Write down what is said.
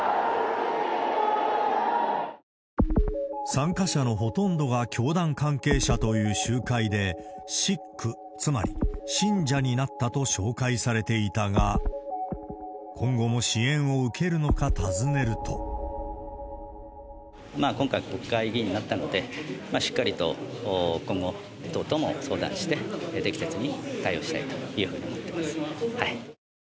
参加者のほとんどが教団関係者という集会で、シック、つまり信者になったと紹介されていたが、今回、国会議員になったので、しっかりと今後、党とも相談して、適切に対応したいというふうに思ってます。